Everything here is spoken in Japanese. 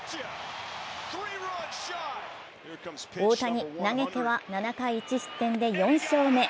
大谷、投げては７回１失点で４勝目。